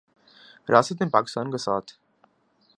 ریاست نے پاکستان کا ساتھ